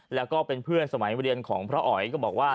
แล้วก็เป็นเพื่อนสมัยเรียนของพระอ๋อยก็บอกว่า